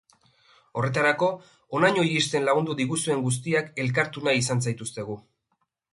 Horretarako, honaraino iristen lagundu diguzuen guztiak elkartu nahi izan zaituztegu.